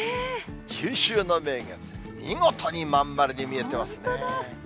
中秋の名月、見事に真ん丸に見えてますね。